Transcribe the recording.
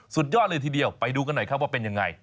สุดยอดเลยทีเดียวไปดูกันหน่อยครับว่าเป็นยังไง